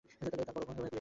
তার বড় বোন কুয়েটে পড়ে।